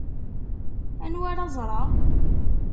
Anwa ara ẓṛeɣ?